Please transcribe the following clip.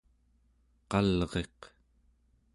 qalriq